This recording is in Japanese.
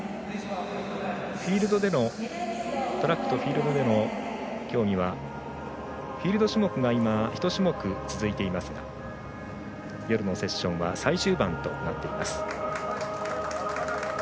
トラックとフィールドでの競技はフィールド種目が１種目、続いていますが夜のセッションは最終盤となっています。